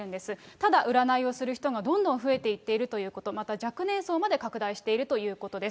ただ、占いをする人がどんどん増えていっているということ、また若年層まで拡大しているということです。